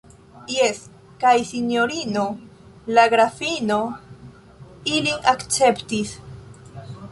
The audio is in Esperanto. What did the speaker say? Jes, kaj sinjorino la grafino ilin akceptis.